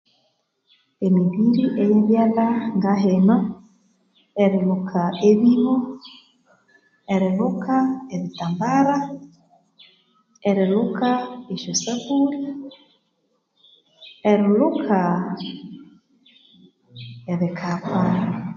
Emibiri eyebyalha ngahino erilhuka ebibo erilhuka ebittambara erilhuka esyo sapuuli erilhuka ebikapaa